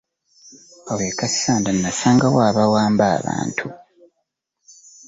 Awo e Kassanda nasangawo abawamba abantu.